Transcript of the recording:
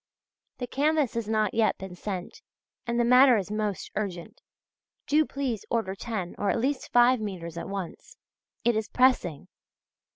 The canvas has not yet been sent, and the matter is most urgent. Do please order ten or at least five metres at once. It is pressing.